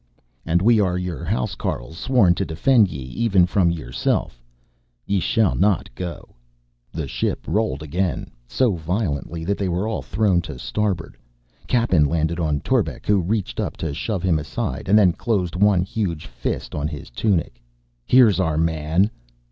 "And we are yer housecarls, sworn to defend ye even from yerself. Ye shall not go." The ship rolled again, so violently that they were all thrown to starboard. Cappen landed on Torbek, who reached up to shove him aside and then closed one huge fist on his tunic. "Here's our man!"